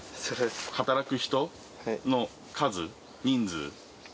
働く人の数、人数。